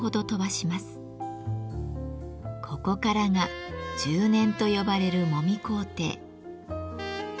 ここからが揉捻と呼ばれるもみ工程。